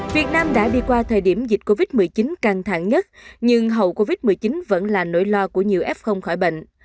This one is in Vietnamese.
việt nam đã đi qua thời điểm dịch covid một mươi chín căng thẳng nhất nhưng hậu covid một mươi chín vẫn là nỗi lo của nhiều f khỏi bệnh